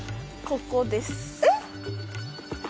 ここです。